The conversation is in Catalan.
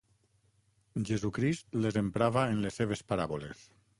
Jesucrist les emprava en les seves paràboles.